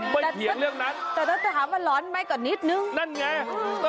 ไม่เฉียงเรื่องนั้นแต่ต้องต้องถามว่าร้อนไหมกว่านิดนึงนั่นไงอืม